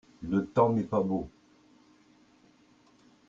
le temps n'est pas beau.